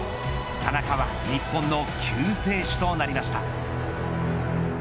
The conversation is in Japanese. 田中は日本の救世主となりました。